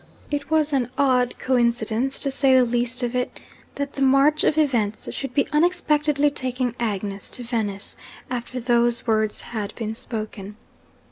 It was an odd coincidence, to say the least of it, that the march of events should be unexpectedly taking Agnes to Venice, after those words had been spoken!